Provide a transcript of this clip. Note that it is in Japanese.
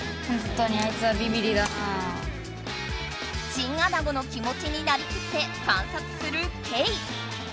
チンアナゴの気持ちになりきって観察するケイ。